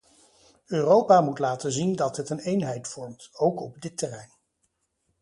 Europa moet laten zien dat het een eenheid vormt, ook op dit terrein.